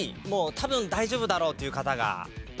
多分大丈夫だろうという方が。